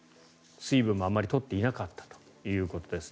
水分もあまり取っていなかったということです。